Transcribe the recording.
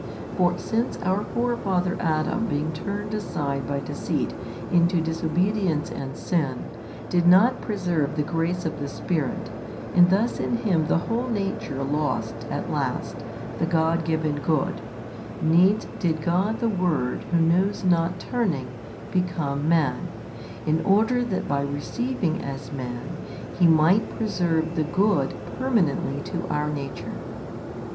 For since our forefather Adam being turned aside by deceit into disobedience and sin, did not preserve the grace of the Spirit, and thus in him the whole nature lost at last the God given good, needs did God the "Word Who knows not turning, become Man, in order that by receiving as Man He might preserve the Good permanently to our nature.